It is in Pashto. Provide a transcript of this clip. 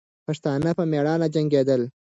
پښتانه په میړانه جنګېدل.